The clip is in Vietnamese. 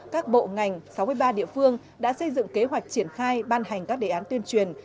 các bộ ngành sáu mươi ba địa phương đã xây dựng kế hoạch triển khai ban hành các đề án tuyên truyền